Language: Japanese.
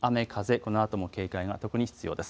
このあとも警戒が特に必要です。